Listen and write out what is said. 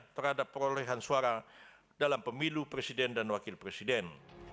terhadap perolehan suara dalam pemilu presiden dan wakil presiden